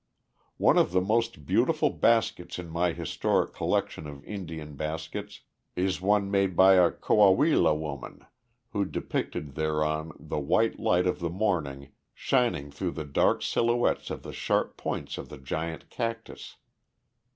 One of the most beautiful baskets in my historic collection of Indian baskets is one made by a Coahuila woman who depicted thereon the white light of the morning shining through the dark silhouettes of the sharp points of the giant cactus.